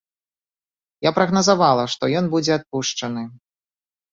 Я прагназавала, што ён будзе адпушчаны.